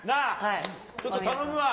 ちょっと頼むわ。